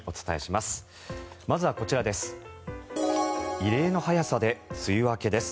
まずはこちらです。